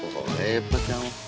kok lepet ya